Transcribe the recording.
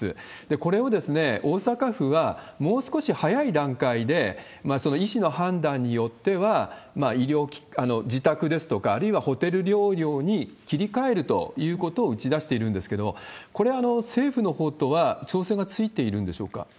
これを大阪府はもう少し早い段階で、その医師の判断によっては、自宅ですとか、あるいはホテル療養に切り替えるということを打ち出しているんですけど、これは政府のほうとは調整がついているんでしょうか？